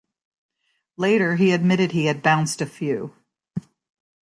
Later, he admitted he had bounced a few.